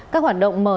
các hoạt động mở đầu